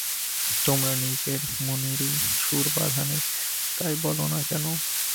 তোমার নিজের মনেরই সুর বাঁধা নেই, তাই বলো না কেন?